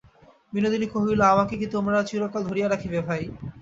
বিনোদিনী কহিল, আমাকে কি তোমরা চিরকাল ধরিয়া রাখিবে, ভাই।